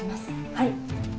はい。